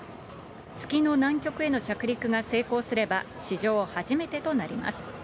月の南極への着陸が成功すれば、史上初めてとなります。